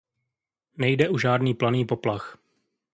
Nejde o žádný planý poplach.